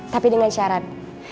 tapi dengan syarat